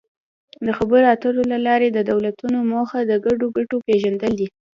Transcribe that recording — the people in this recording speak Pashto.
د خبرو اترو له لارې د دولتونو موخه د ګډو ګټو پېژندل دي